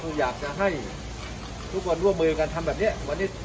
คุณอยากจะให้ทุกคนรับมืออย่างกันท้ำแบบเนี้ยวันนี้